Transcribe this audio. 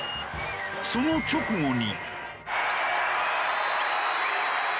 その直後に。